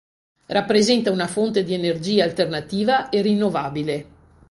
Rappresenta una fonte di energia alternativa e rinnovabile.